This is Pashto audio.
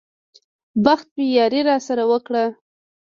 بخت مې ياري راسره وکړه.